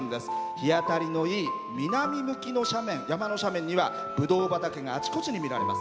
日当たりのいい南向きの山の斜面にはぶどう畑があちこちに見られます。